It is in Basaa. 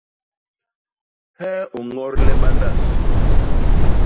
Hee u ñodle bandas.